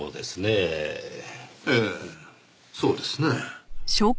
ええそうですねぇ。